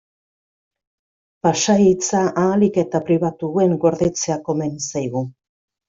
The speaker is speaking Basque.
Pasahitza ahalik eta pribatuen gordetzea komeni zaigu.